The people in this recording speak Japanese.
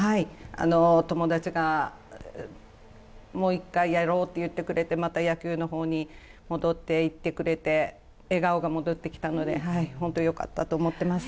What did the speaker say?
お友達がもう一回やろうって言ってくれてまた野球の方に戻っていってくれて笑顔が戻ってきたので本当、よかったと思います。